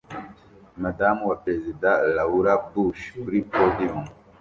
Madamu wa Perezida Laura Bush kuri podium